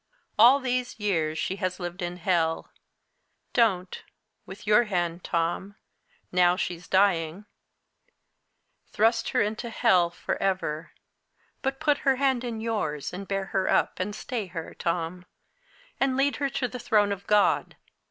All these years she has lived in hell. Don't with your hand, Tom! now she's dying, thrust her into hell, for ever. But put her hand in yours, and bear her up, and stay her, Tom, and lead her to the throne of God.